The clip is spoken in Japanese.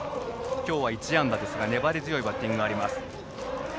今日は１安打ですが粘り強いバッティングです。